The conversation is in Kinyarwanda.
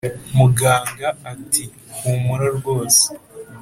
muganga ati"humura rwose